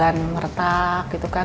dan meretak gitu kan